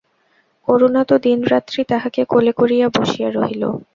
করুণা তো দিন রাত্রি তাহাকে কোলে করিয়া বসিয়া রহিল।